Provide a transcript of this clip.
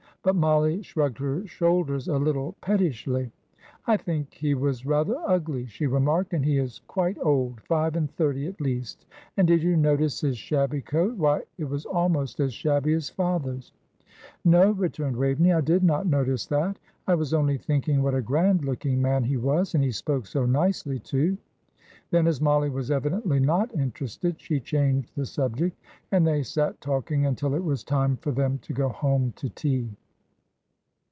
But Mollie shrugged her shoulders a little pettishly. "I think he was rather ugly," she remarked, "and he is quite old five and thirty, at least; and did you notice his shabby coat why, it was almost as shabby as father's." "No," returned Waveney; "I did not notice that. I was only thinking what a grand looking man he was, and he spoke so nicely, too!" Then, as Mollie was evidently not interested, she changed the subject; and they sat talking until it was time for them to go home to tea.